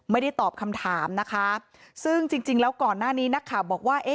ไม่ได้ตอบคำถามนะคะซึ่งจริงจริงแล้วก่อนหน้านี้นักข่าวบอกว่า